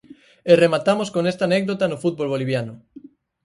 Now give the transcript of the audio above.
E rematamos con esta anécdota no fútbol boliviano.